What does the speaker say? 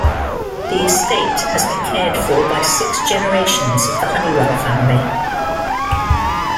The estate has been cared for by six generations of the Hunnewell family.